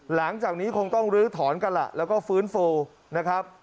หลังจากนี้คงต้องลื้อถอนกันล่ะแล้วก็ฟื้นฟูนะครับ